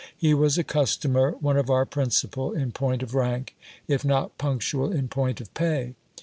He was a customer, one of our principal in point of rank, if not punctual in point of pay.